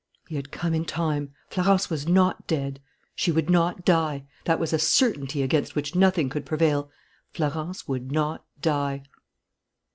He had come in time. Florence was not dead. She would not die. That was a certainty against which nothing could prevail. Florence would not die.